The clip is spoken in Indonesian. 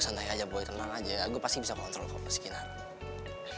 santai aja woy tenang aja gue pasti bisa ngontrol ke opo skinner